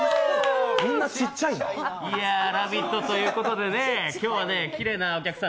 「ラヴィット！」ということでね、今日はきれいなお客さん